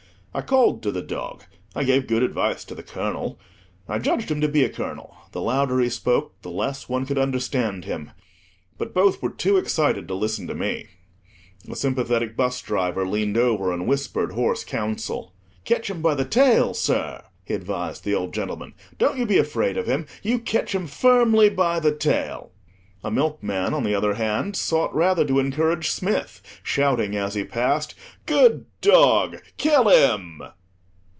I called to the dog, I gave good advice to the colonel (I judged him to be a colonel; the louder he spoke, the less one could understand him), but both were too excited to listen to me. A sympathetic bus driver leaned over, and whispered hoarse counsel. "Ketch 'im by the tail, sir," he advised the old gentleman; "don't you be afraid of him; you ketch 'im firmly by the tail." A milkman, on the other hand, sought rather to encourage Smith, shouting as he passed— "Good dog, kill him!"